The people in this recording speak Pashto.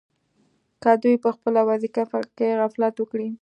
که دوی په خپله وظیفه کې غفلت وکړي.